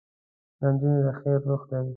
نجلۍ د خیر روح ده.